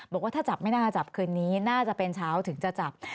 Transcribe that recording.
บอกว่าถ้าจับไม่น่าจะจับคืนนี้น่าจะเป็นเช้าถึงจะจับ